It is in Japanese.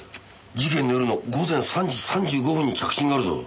事件の夜の午前３時３５分に着信があるぞ。